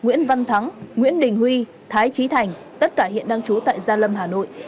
nguyễn văn thắng nguyễn đình huy thái trí thành tất cả hiện đang trú tại gia lâm hà nội